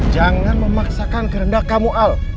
jangan memaksakan kehendak kamu al